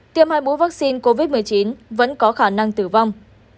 tiêm hai mũi vaccine covid một mươi chín vẫn có khả năng tử vong